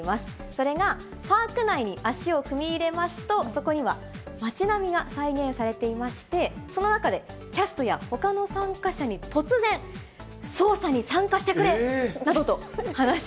それが、パーク内に足を踏み入れますと、そこには街並みが再現されていまして、その中でキャストやほかの参加者に突然、捜査に参加してく急に？